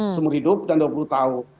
seumur hidup dan dua puluh tahun